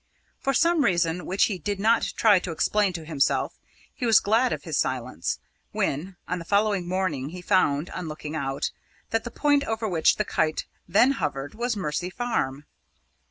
For some reason which he did not try to explain to himself, he was glad of his silence, when, on the following morning, he found, on looking out, that the point over which the kite then hovered was Mercy Farm.